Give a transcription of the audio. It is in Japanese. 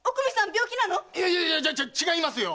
病気なの⁉いやいや違いますよ！